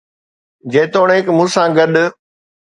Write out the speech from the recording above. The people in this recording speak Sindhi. جيتوڻيڪ مون سان گڏ